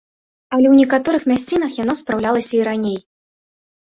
Але ў некаторых мясцінах яно спраўлялася і раней.